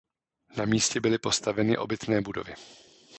Na místě byly postaveny obytné budovy.